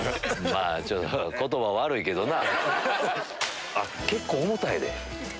まぁちょっと言葉悪いけどな。